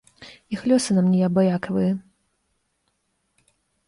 Іх лёсы нам не абыякавыя.